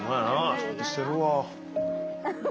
ちゃんとしてるわ。